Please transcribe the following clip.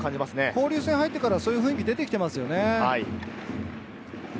交流戦に入ってから、そういう雰囲気出てますよね。